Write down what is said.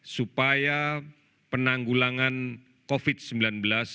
supaya penanggulangan covid sembilan belas lebih terintegrasi secara keseluruhan